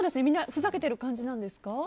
みんなふざけてる感じなんですか？